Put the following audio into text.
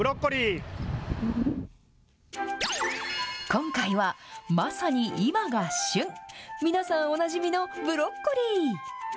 今回はまさに今が旬、皆さんおなじみのブロッコリー。